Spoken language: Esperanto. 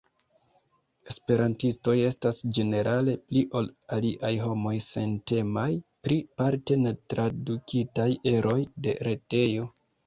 Esperantistoj estas ĝenerale pli ol aliaj homoj sentemaj pri parte netradukitaj eroj de retejo.